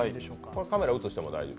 これ、カメラ写しても大丈夫？